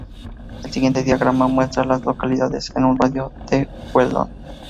El siguiente diagrama muestra a las localidades en un radio de de Weldon.